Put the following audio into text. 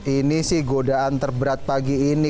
ini sih godaan terberat pagi ini